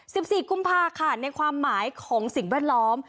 สิบสี่กุมภาค่ะในความหมายของสิ่งแวดล้อม